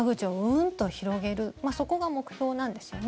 んと広げるそこが目標なんですよね。